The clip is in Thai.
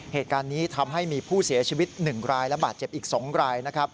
เหตุการณ์นี้ทำให้มีผู้เสียชีวิต๑รายและบาดเจ็บอีก๒รายนะครับ